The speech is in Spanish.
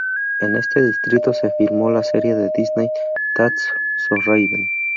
En este distrito se filmó la serie de Disney: "That´s so Raven".